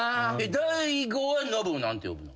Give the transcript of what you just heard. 大悟はノブを何て呼ぶの？